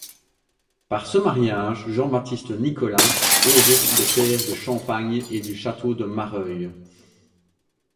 Par ce mariage, Jean-Baptiste-Nicolas hérite des terres de Champagne et du Château de Mareuil.